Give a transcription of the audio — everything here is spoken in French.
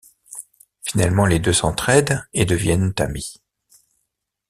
Finalement, les deux s'entraident et deviennent amis.